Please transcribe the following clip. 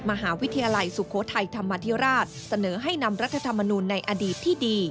มหาวิทยาลัยสุโขทัยธรรมธิราชเสนอให้นำรัฐธรรมนูลในอดีตที่ดี